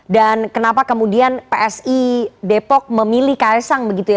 dan kenapa kemudian psi depok memilih kaesang begitu ya